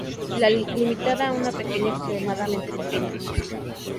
Limitada a un área extremadamente pequeña.